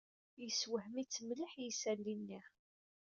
Yessewhem-itt mliḥ yisali-nni.